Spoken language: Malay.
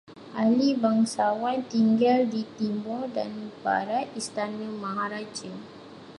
Ahli bangsawan tinggal di timur dan barat istana maharaja